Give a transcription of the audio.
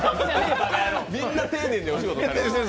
みんな丁寧にお仕事されている。